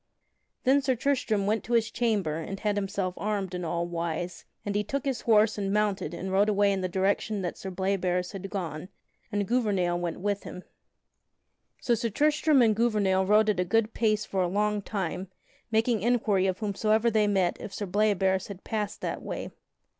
Then Sir Tristram went to his chamber and had himself armed in all wise; and he took his horse and mounted and rode away in the direction that Sir Bleoberis had gone, and Gouvernail went with him. [Sidenote: Sir Tristram follows Sir Bleoberis] So Sir Tristram and Gouvernail rode at a good pace for a long time, making inquiry of whomsoever they met if Sir Bleoberis had passed that way.